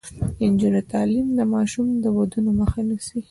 د نجونو تعلیم د ماشوم ودونو مخه نیسي.